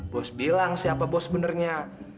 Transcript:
bos bilang siapa bos sebenarnya